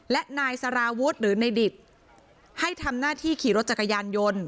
และนายสารวุฒิหรือในดิตให้ทำหน้าที่ขี่รถจักรยานยนต์